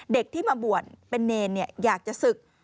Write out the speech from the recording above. เด็กที่มาบวชเป็นเนรอยากจะศึก